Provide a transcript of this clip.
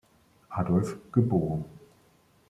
Adolf, geboren.